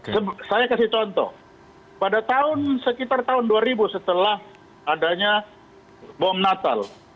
saya kasih contoh pada tahun sekitar tahun dua ribu setelah adanya bom natal